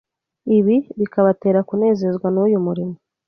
ibi bikabatera kunezezwa n’uyu murimo.